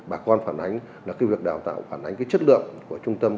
bà con phản ánh là cái việc đào tạo phản ánh cái chất lượng của trung tâm